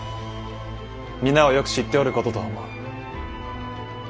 皆はよく知っておることと思う。